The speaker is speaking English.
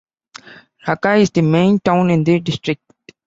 Rakai is the main town in the district.